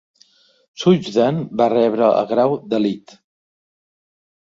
Sugden va rebre el grau de Litt.